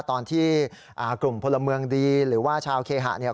ตอนที่กลุ่มพลเมืองดีหรือว่าชาวเคหะเนี่ย